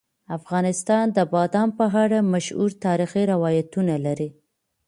افغانستان د بادام په اړه مشهور تاریخی روایتونه لري.